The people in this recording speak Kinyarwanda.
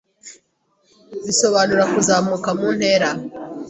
bisobanura kuzamuka mu ntera.